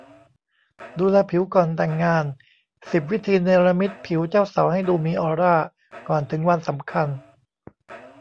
ดูแลผิวก่อนแต่งงาน สิบ วิธี เนรมิตผิวเจ้าสาวให้ดูมีออร่าก่อนถึงวันสำคัญ